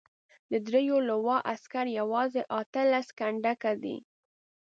د دریو لواوو عسکر یوازې اته لس کنډکه دي.